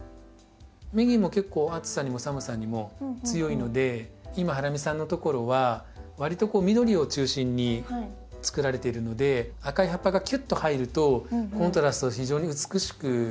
メギも結構暑さにも寒さにも強いので今ハラミさんのところはわりと緑を中心につくられているので赤い葉っぱがきゅっと入るとコントラスト非常に美しく決まりそうですし。